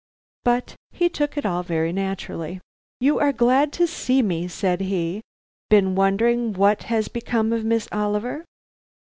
But he took it all very naturally. "You are glad to see me," said he; "been wondering what has become of Miss Oliver.